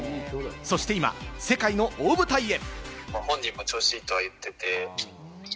そして今、世界の大舞台へ。